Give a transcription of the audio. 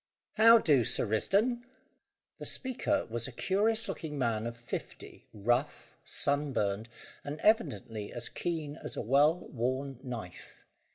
"How do, Sir Risdon?" The speaker was a curious looking man of fifty, rough, sunburned, and evidently as keen as a well worn knife.